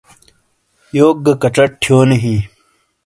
یوک گہ کچٹ تھیونو ہیں۔